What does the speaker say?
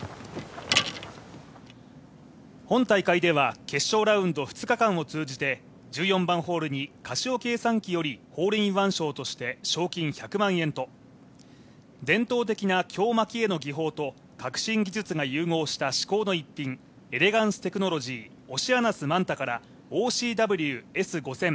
本大会では決勝ラウンド２日間を通じて１４番ホールにカシオ計算機よりホールインワン賞として賞金１００万円と伝統的な京蒔絵の技法と革新技術が融合した至高の逸品Ｅｌｅｇａｎｃｅ，ＴｅｃｈｎｏｌｏｇｙオシアナスマンタからＯＣＷ−Ｓ５０００